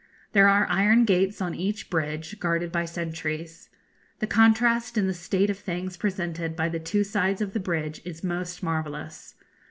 There are iron gates on each bridge, guarded by sentries. The contrast in the state of things presented by the two sides of the bridge is most marvellous.